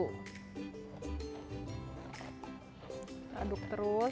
kita aduk terus